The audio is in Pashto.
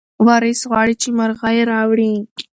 وارث غواړي چې مرغۍ راوړي.